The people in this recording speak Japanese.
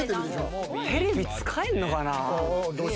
テレビ使えんのかな？